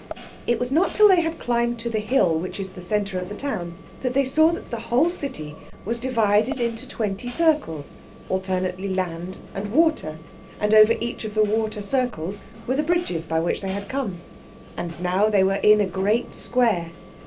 It was not till they had climbed to the hill which is the centre of the town that they saw that the whole city was divided into twenty circles, alternately land and water, and over each of the water circles were the bridges by which they had come. And now they were in a great square.